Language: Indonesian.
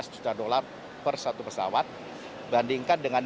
juta dollar per satu pesawat bandingkan dengan